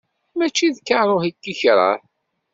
Mačči d karuh i k-ikreh.